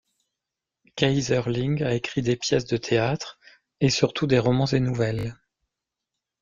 Keyserling a écrit des pièces de théâtre et surtout des romans et nouvelles.